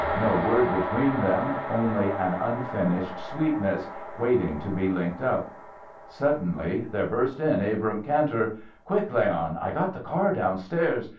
No word between them, only an unfinished sweetness, waiting to be linked up. Suddenly there burst in Abrahm Kantor. "Quick, Leon! I got the car downstairs.